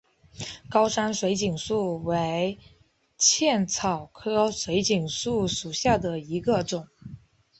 高山水锦树为茜草科水锦树属下的一个种。